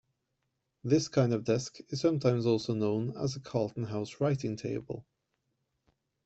This kind of desk is sometimes also known as a Carlton House writing table.